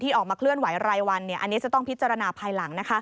ออกมาเคลื่อนไหวรายวันอันนี้จะต้องพิจารณาภายหลัง